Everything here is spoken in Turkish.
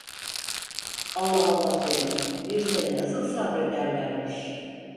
"Allah Allah!" dedim; "bir sene nasıl sabrederlermiş?"